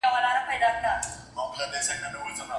د سوځېدلو لرگو زور خو له هندو سره وي